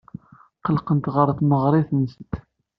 Qqlent ɣer tneɣrit-nsent.